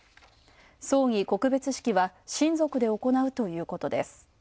葬儀、告別式は親族で行うということです。